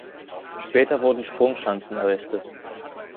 Später wurden Sprungschanzen errichtet.